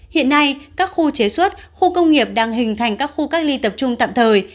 hiện nay các khu chế xuất khu công nghiệp đang hình thành các khu cách ly tập trung tạm thời